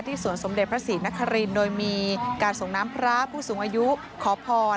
ที่สวรรค์สมเด็จพระศรีนาคารินโดยมีการสงครามพระผู้สูงอายุขอพร